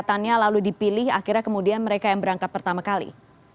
kesehatannya lalu dipilih akhirnya kemudian mereka yang berangkat pertama kali